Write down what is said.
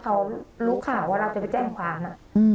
เขารู้ข่าวว่าเราจะไปแจ้งความ